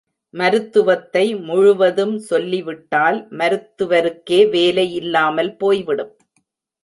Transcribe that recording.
மருத்துவத்தை முழுவதும் சொல்லிவிட்டால் மருத்துவருக்கே வேலை இல்லாமல் போய்விடும்.